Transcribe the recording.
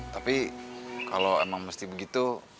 tapi kalau emang mesti begitu